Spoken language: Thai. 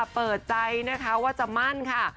เปิดใจนะคะว่าจะมั่นค่ะ